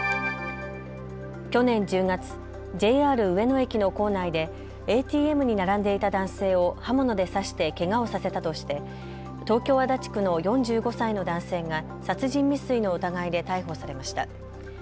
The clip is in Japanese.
去年１０月ＪＲ上野駅の構内でＡＴＭに並んでいた男性を刃物で刺してけがをさせたとして東京足立区の４５歳の男性が殺人未遂の疑いで逮捕されました。